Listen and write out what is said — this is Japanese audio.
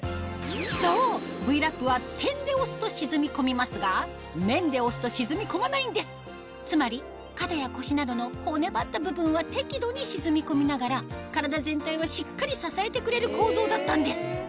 そうＶ−Ｌａｐは点で押すと沈み込みますが面で押すと沈み込まないんですつまり肩や腰などの骨張った部分は適度に沈み込みながら体全体をしっかり支えてくれる構造だったんです